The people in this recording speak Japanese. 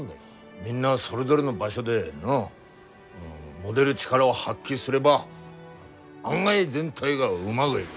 みんなそれぞれの場所で持でる力を発揮すれば案外全体がうまぐいぐ。